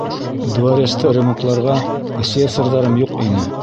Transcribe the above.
Дворецты ремонтларға слесарҙарым юҡ ине.